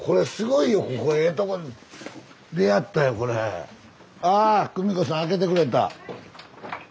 ここあ久美子さん開けてくれた。